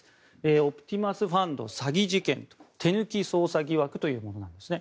オプティマスファンド詐欺事件手抜き捜査疑惑というものなんですね。